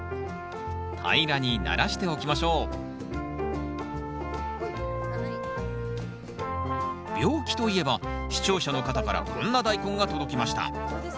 平らにならしておきましょう病気といえば視聴者の方からこんなダイコンが届きました。